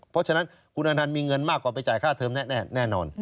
เพราะฉะนั้นคุณอนันต์มีเงินมากกว่าไปจ่ายค่าเทิมแน่นอน